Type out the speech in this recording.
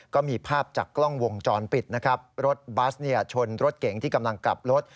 ก็มีภาพจากกล้องวงจรปิดนะครับรถบัสเนี่ยชนรถเก๋งที่กำลังกลับรถ